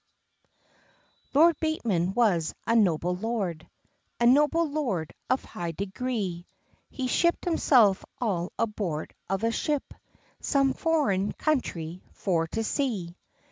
LORD BATEMAN was a noble lord, A noble lord of high degree; He shipped himself all aboard of a ship, Some foreign country for to see.